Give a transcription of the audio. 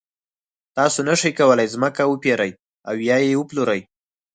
تاسو نشئ کولای ځمکه وپېرئ او یا یې وپلورئ.